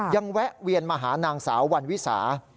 แวะเวียนมาหานางสาววันวิสา